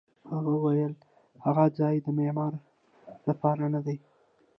هغه وویل: هغه ځای د معمارۍ لپاره نه دی.